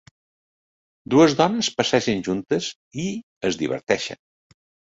Dues dones passegen juntes i es diverteixen.